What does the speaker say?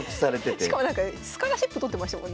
しかもなんかスカラーシップとってましたもんね